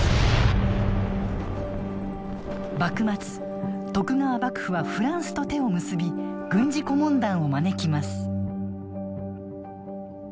幕末徳川幕府はフランスと手を結び軍事顧問団を招きます。